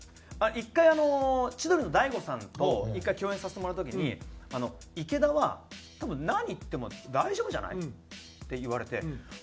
１回あの千鳥の大悟さんと１回共演させてもらった時に「池田は多分何言っても大丈夫じゃない？」って言われて。